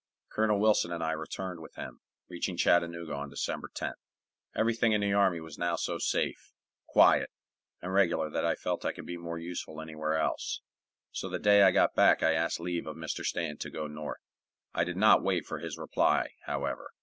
Colonel Wilson and I returned with him, reaching Chattanooga on December 10th. Everything in the army was now so safe, quiet, and regular that I felt I could be more useful anywhere else, so the day I got back I asked leave of Mr. Stanton to go North. I did not wait for his reply, however.